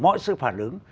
mỗi sự phản ứng